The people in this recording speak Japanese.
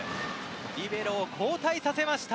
リベロを交代させました。